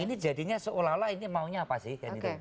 ini jadinya seolah olah ini maunya apa sih